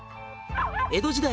「江戸時代